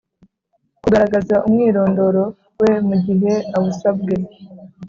kugaragaza umwirondoro we mugihe awusabwe